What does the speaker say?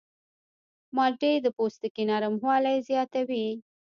مالټې د پوستکي نرموالی زیاتوي.